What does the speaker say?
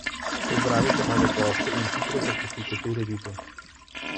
Pozdravite nove goste in hitro zapustite prireditev.